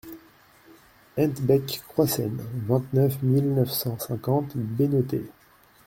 Hent Bec Kroissen, vingt-neuf mille neuf cent cinquante Bénodet